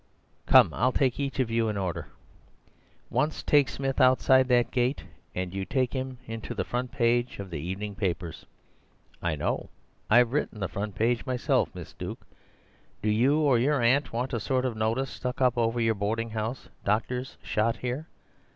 "Come, I'll take each of you in order. Once take Smith outside that gate, and you take him into the front page of the evening papers. I know; I've written the front page myself. Miss Duke, do you or your aunt want a sort of notice stuck up over your boarding house—'Doctors shot here.